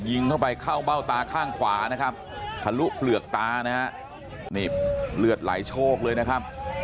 ยิงเข้าไปเข้าเบ้าตาข้างขวานะครับทะลุเปลือกตานะฮะนี่เลือดไหลโชคเลยนะครับ